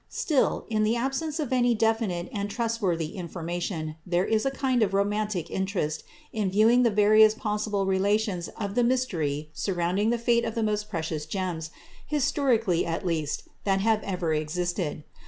Still, in the absence of any definite and trustworthy information, there is a kind of romantic interest in viewing the various possible relations of the mystery surrounding the fate of the most precious gems, historically at least, that have ever existed.